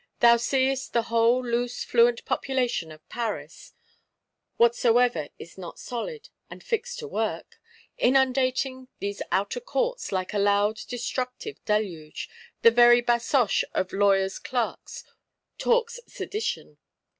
Thou seest the whole loose fluent population of Paris (whatsoever is not solid, and fixed to work) inundating these outer courts, like a loud destructive deluge; the very Basoche of Lawyers' Clerks talks sedition.